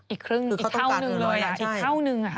อีกครึ่งอีกเท่านึงเลยอีกเท่านึง